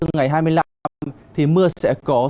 ngày hai mươi năm thì mưa sẽ có